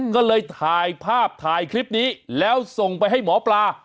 ก็เลยถ่ายภาพถ่ายคลิปนี้แล้วส่งไปให้หมอปลา